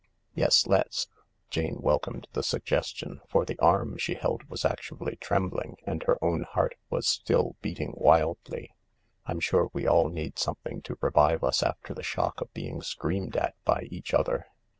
" Yes, let's." Jane welcomed the suggestion, for the arm she held was actually trembling and her own heart was still beating wildly. " I'm sure we all need something to revive us after the shock of being screamed at by each other."